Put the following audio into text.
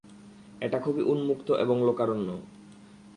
এটা খুবই উন্মুক্ত এবং লোকারণ্য।